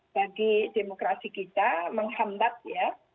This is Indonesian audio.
bagi demokrasi kita menghambat ya